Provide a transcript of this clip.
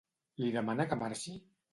Li demana que marxi?